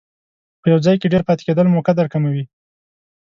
په یو ځای کې ډېر پاتې کېدل مو قدر کموي.